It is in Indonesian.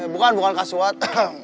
bukan bukan kasuat